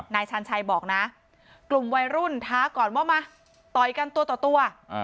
ชาญชัยบอกนะกลุ่มวัยรุ่นท้าก่อนว่ามาต่อยกันตัวต่อตัว